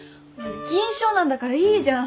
銀賞なんだからいいじゃん。